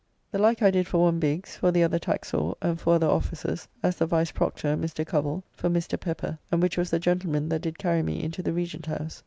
The like I did for one Biggs, for the other Taxor, and for other officers, as the Vice Proctor (Mr. Covell), for Mr. Pepper, and which was the gentleman that did carry me into the Regent House.